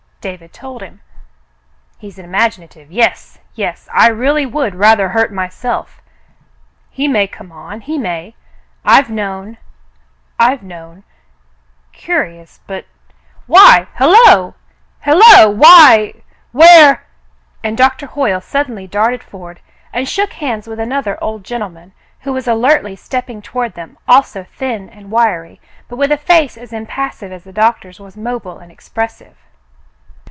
David told him. "He's imaginative — yes — yes. I really would rather hurt myself. He may come on — he may. I've known — I've known — curious, but — Why — Hello — hello ! Why — where —" and Doctor Hoyle suddenly darted forward and shook hands with another old gentleman, who was alertly stepping toward them, also thin and wiry, but with a face as impassive as the doctor's was mobile and expressive.